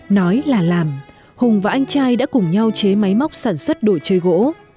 nói là làm hùng và anh trai đã cùng nhau chế máy móc sản xuất đồ chơi gỗ